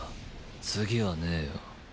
次はねえよ。